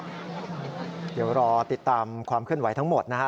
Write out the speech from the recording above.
เดี๋ยวรอติดตามความเคลื่อนไหวทั้งหมดนะฮะ